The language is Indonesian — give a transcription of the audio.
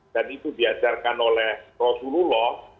itu diajarkan oleh rasulullah